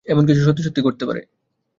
এমন কিছু সত্যি-সত্যি ঘটতে পারে।